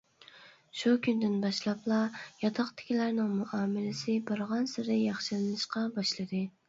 شۇ كۈندىن باشلاپلا ياتاقتىكىلەرنىڭ مۇئامىلىسى بارغانسېرى ياخشىلىنىشقا باشلىدى.